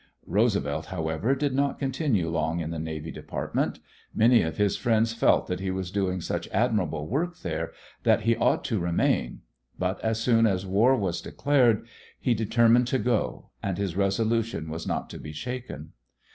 Roosevelt, however, did not continue long in the Navy Department. Many of his friends felt that he was doing such admirable work there that he ought to remain, but as soon as war was declared he determined to go, and his resolution was not to be shaken.